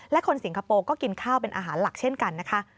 และคนสิงคโปร์ก็กินข้าวเป็นอาหารหลักเช่นกันนะคะ